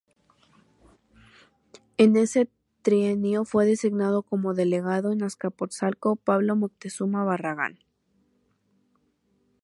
En ese trienio fue designado como delegado en Azcapotzalco Pablo Moctezuma Barragán.